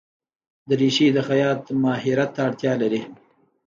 دریشي د خیاط ماهرت ته اړتیا لري.